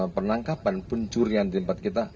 penangkapan pencurian di tempat kita